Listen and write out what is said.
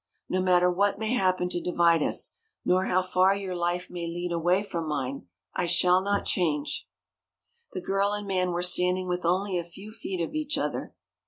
No matter what may happen to divide us, nor how far your life may lead away from mine, I shall not change." The girl and man were standing within only a few feet of each other.